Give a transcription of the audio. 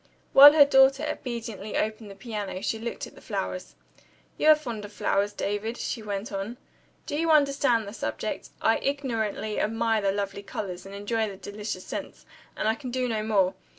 While her daughter obediently opened the piano, she looked at the flowers. "You are fond of flowers, David?" she went on. "Do you understand the subject? I ignorantly admire the lovely colors, and enjoy the delicious scents and I can do no more.